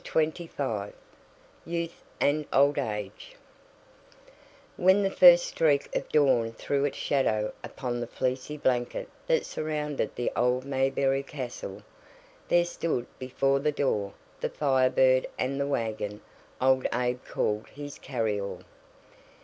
CHAPTER XXV YOUTH AND OLD AGE When the first streak of dawn threw its shadow upon the fleecy blanket that surrounded the old Mayberry Castle, there stood before the door the Fire Bird and the wagon old Abe called his "carry all."